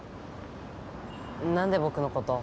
何で僕のことを